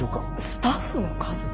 スタッフの数を？